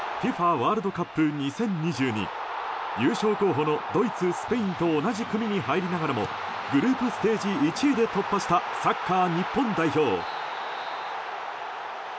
ワールドカップ２０２２優勝候補のドイツ、スペインと同じ組に入りながらもグループステージ１位で突破したサッカー日本代表。